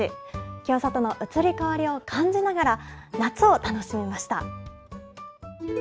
清里の移り変わりを感じながら、夏を楽しみました。